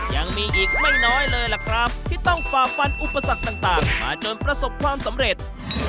ยังมีอีกไม่น้อยเลยล่ะครับที่ต้องฝ่าฟันอุปสรรคต่างมาจนประสบความสำเร็จ